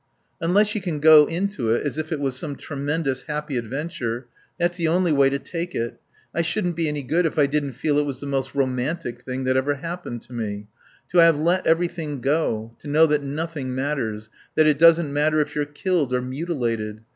"Unless you can go into it as if it was some tremendous, happy adventure That's the only way to take it. I shouldn't be any good if I didn't feel it was the most romantic thing that ever happened to me.... To have let everything go, to know that nothing matters, that it doesn't matter if you're killed, or mutilated